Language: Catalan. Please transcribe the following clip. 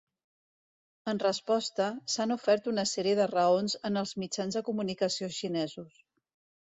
En resposta, s'han ofert una sèrie de raons en els mitjans de comunicació xinesos.